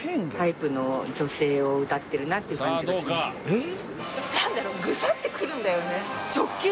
「えっ？」